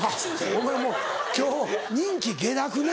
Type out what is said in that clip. お前もう今日人気下落ね。